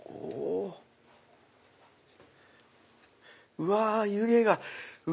うわ湯気が！